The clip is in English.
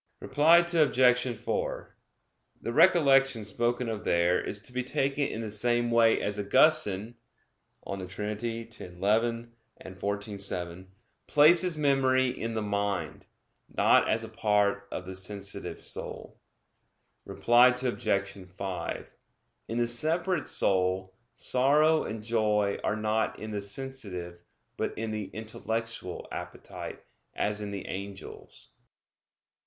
Reply Obj. 4: The recollection spoken of there is to be taken in the same way as Augustine (De Trin. x, 11; xiv, 7) places memory in the mind; not as a part of the sensitive soul. Reply Obj. 5: In the separate soul, sorrow and joy are not in the sensitive, but in the intellectual appetite, as in the angels.